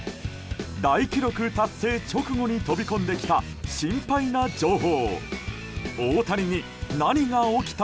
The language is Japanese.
大記録達成直後に飛び込んできた心配な情報。